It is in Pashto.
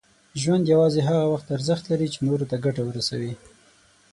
ژوند یوازې هغه وخت ارزښت لري، چې نور ته ګټه ورسوي.